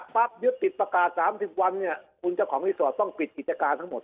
ยึดติดประกาศ๓๐วันเนี่ยคุณเจ้าของรีสอร์ทต้องปิดกิจการทั้งหมด